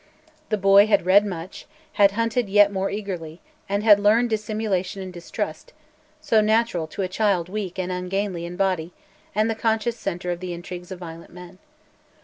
The boy had read much, had hunted yet more eagerly, and had learned dissimulation and distrust, so natural to a child weak and ungainly in body and the conscious centre of the intrigues of violent men.